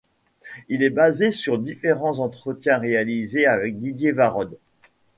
Il est basé sur différents entretiens réalisés avec Didier Varrod.